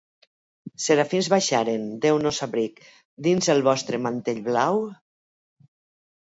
Serafins baixaren, deu-nos abric, dins el vostre mantell blau"?